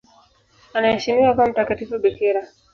Anaheshimiwa kama mtakatifu bikira.